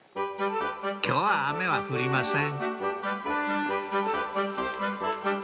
今日は雨は降りません